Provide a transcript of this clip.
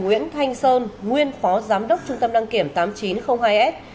nguyễn thanh sơn nguyên phó giám đốc trung tâm đăng kiểm tám nghìn chín trăm linh hai s